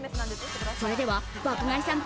それでは爆買いさん